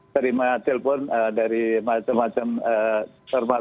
terima telepon dari macam macam informasi